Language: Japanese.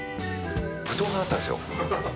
武闘派だったんですよ。